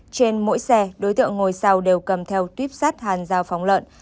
trên mỗi xe đối tượng ngồi sau đều cầm theo tuyếp sắt hàn dao phóng lợn